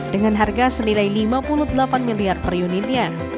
dengan harga senilai lima puluh delapan miliar per unitnya